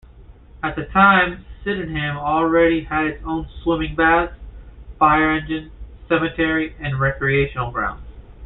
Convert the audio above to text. At that time Sydenham already had its own swimming-baths, fire-engine, cemetery and recreation grounds.